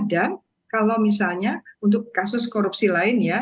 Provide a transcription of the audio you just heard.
dan kalau misalnya untuk kasus korupsi lain ya